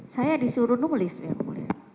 saya disuruh nulis yang mulia